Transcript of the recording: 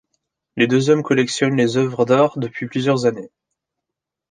Les deux hommes collectionnent les oeuvres d'art depuis plusieurs années.